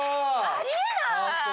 「あり得ない」。